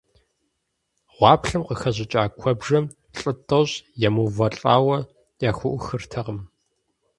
Гъуаплъэм къыхэщӀыкӀа куэбжэм лӀы тӀощӀ емыувэлӀауэ яхуӀухыртэкъым.